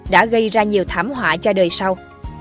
đã gây ra nhiều thảm họa cho đời sau